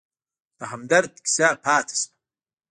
د همدرد کیسه پاتې شوه.